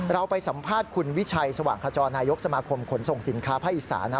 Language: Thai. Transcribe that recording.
เราไปสัมภาษณ์คุณวิชัยสว่างขจรนายกสมาคมขนส่งสินค้าภาคอีสานนะ